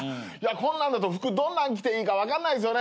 「こんなんだと服どんなん着ていいか分かんないっすよね」